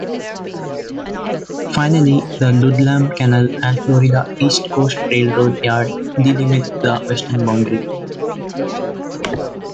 Finally, the Ludlam Canal and Florida East Coast Railroad Yard delimit the western boundary.